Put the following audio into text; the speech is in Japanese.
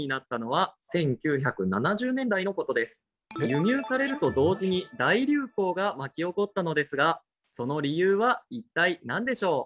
輸入されると同時に大流行が巻き起こったのですがその理由は一体何でしょう？